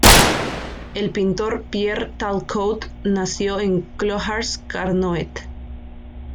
El pintor Pierre Tal Coat nació en Clohars-Carnoët.